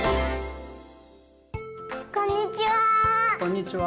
こんにちは。